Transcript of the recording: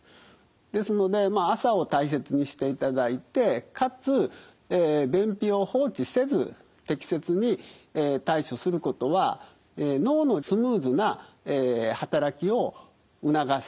ですのでまあ朝を大切にしていただいてかつ便秘を放置せず適切に対処することは脳のスムーズな働きを促す。